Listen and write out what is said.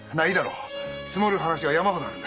積もる話が山ほどあるんだ。